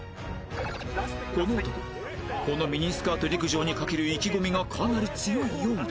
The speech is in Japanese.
この男このミニスカート陸上にかける意気込みがかなり強いようで